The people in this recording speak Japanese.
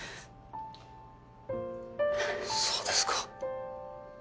そうですか。